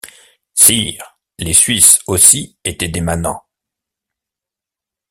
Sire, les suisses aussi étaient des manants.